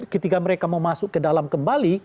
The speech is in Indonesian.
ketika mereka mau masuk ke dalam kembali